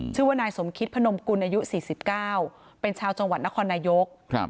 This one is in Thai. ชื่อว่านายสมคิตพนมกุลอายุ๔๙เป็นชาวจังหวัดนครนายก